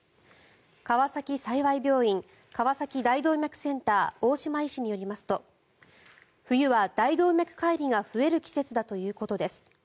川崎幸病院川崎大動脈センター大島医師によりますと冬は大動脈解離が増える季節だということです。